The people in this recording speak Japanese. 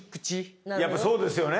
やっぱそうですよね。